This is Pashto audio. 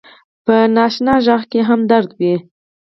په ناآشنا غږ کې هم درد وي